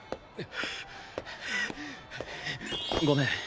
ごめん。